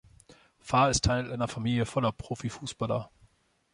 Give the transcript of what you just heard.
Farr ist Teil einer Familie voller Profifußballer.